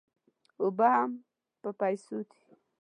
اوبه هم په پیسو دي.